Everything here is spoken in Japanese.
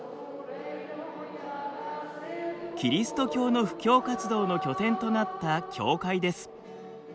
キリスト教の布教活動の拠点となった教会です。